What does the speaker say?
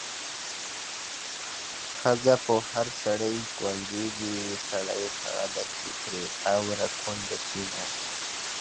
ښځه په هر سړي کونډيږي، سړی هغه دی چې پرې خاوره کونډه شينه